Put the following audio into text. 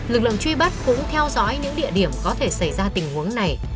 lực lượng truy bắt cũng theo dõi những địa điểm có thể xảy ra tình huống này